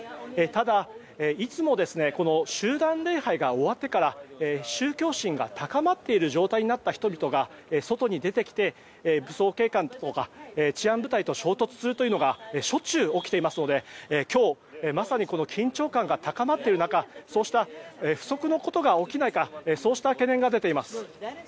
ただ、いつも集団礼拝が終わってから宗教心が高まっている状態になっている人々が外に出てきて武装警官が治安部隊と衝突することがしょっちゅう起きていますので今日、まさに緊張感が高まっている中そうした不測のことが起きないかそうした懸念が出ています。